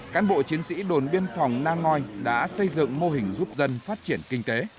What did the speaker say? cán bộ chiến sĩ đồn biên phòng nang ngoi đã xây dựng mô hình giúp dân phát triển kinh tế